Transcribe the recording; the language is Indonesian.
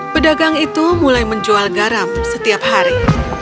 pedagang itu mulai menjual garam setiap hari